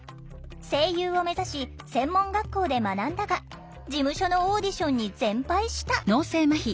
声優を目指し専門学校で学んだが事務所のオーディションに全敗した